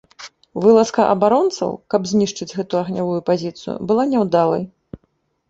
Вылазка абаронцаў, каб знішчыць гэту агнявую пазіцыю, была няўдалай.